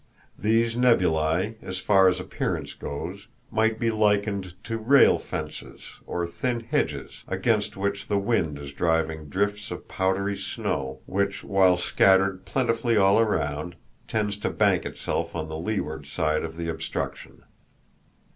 These nebulæ, as far as appearance goes, might be likened to rail fences, or thin hedges, against which the wind is driving drifts of powdery snow, which, while scattered plentifully all around, tends to bank itself on the leeward side of the obstruction.